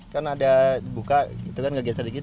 kan ada buka itu kan gak geser dikit